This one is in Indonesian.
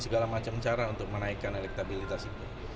segala macam cara untuk menaikkan elektabilitas itu